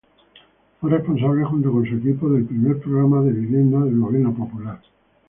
Fue responsable, junto con su equipo, del primer programa de Vivienda del Gobierno Popular.